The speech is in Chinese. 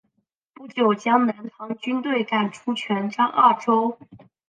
不久将南唐军队赶出泉漳二州。